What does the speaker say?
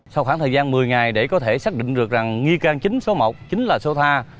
sau khoảng thời gian một mươi ngày để có thể xác định được rằng nghi can chính số một chính là so tha